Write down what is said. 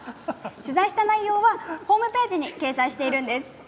取材した内容はホームページに掲載しているんです。